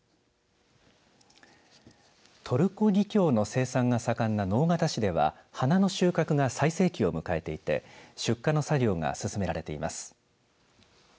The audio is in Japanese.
トルコギキョウの生産が盛んな直方市では花の収穫が最盛期を迎えていて出荷の作業が進められています。